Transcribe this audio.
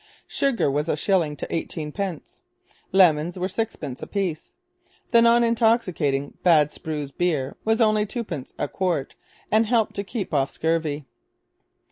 Sugar was a shilling to eighteen pence. Lemons were sixpence apiece. The non intoxicating 'Bad Sproos Beer' was only twopence a quart and helped to keep off scurvy.